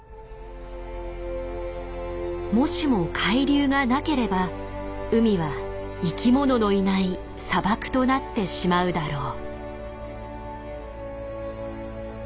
もしも海流がなければ海は生きもののいない砂漠となってしまうだろう。